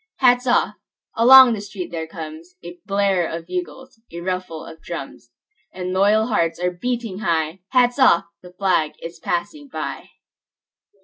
Hats off! Along the street there comesA blare of bugles, a ruffle of drums; And loyal hearts are beating high:Hats off! The flag is passing by!